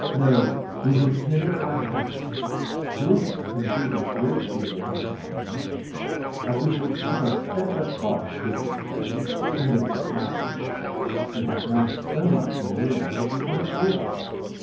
"No; we will try it by hand: two of us can dig a great deal at odd times, and we shall have a better crop with the spade than with the plow. We have now so much manure that we can afford it."